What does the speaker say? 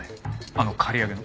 あの刈り上げの？